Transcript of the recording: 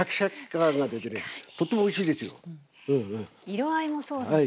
色合いもそうですしね。